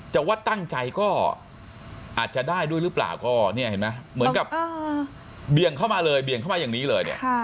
แต่ว่าตั้งใจก็อาจจะได้ด้วยหรือเปล่าก็เหมือนกับเบียงเข้ามาเลยเบียงเข้ามาอย่างนี้เลย